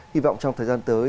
hy vọng trong thời gian tới